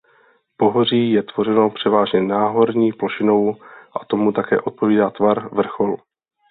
Pohoří je tvořeno převážně náhorní plošinou a tomu také odpovídá tvar vrcholu.